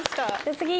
次。